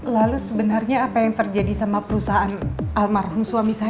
lalu sebenarnya apa yang terjadi sama perusahaan almarhum suami saya